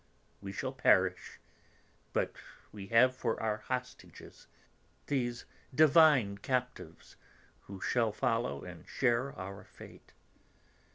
We shall perish, but we have for our hostages these divine captives who shall follow and share our fate.